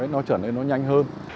nó trở nên nó nhanh hơn